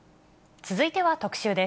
続いては特集です。